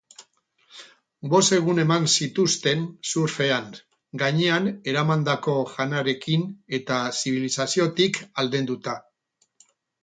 Bost egun eman zituzten surfean, gainean eramandako janarekin eta zibilizaziotik aldenduta.